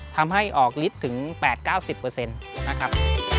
ทำให้ออกลิตรถึง๘๙๐นะครับ